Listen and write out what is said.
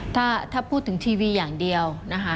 ถ้าพูดหากถึงทีวีอย่างเดียว